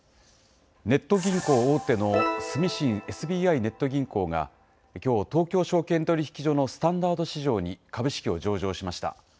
ネット銀行大手の住信ＳＢＩネット銀行が、きょう、東京証券取引所のスタンダード市場に株式を上場しました。